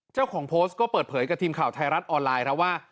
เจ้าของโพสต์ก็เปิดเผยกับทีมข่าวไทยรัฐออนไลน์ครับว่า